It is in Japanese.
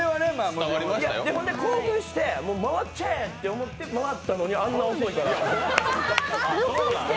本当に興奮して、もう回っちゃえと思って回ったら、あんな遅いから。